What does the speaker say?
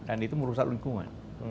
dan itu merusak lingkungan